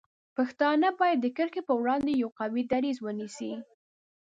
پښتانه باید د دې کرښې په وړاندې یو قوي دریځ ونیسي.